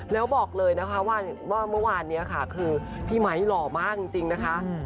แล้วบอกเลยนะคะว่าเมื่อวานนี้ค่ะคือพี่ไมค์หล่อมากจริงนะคะ